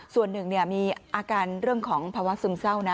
ส่วนหนึ่งมีอาการเรื่องของภาวะซึมเศร้านะ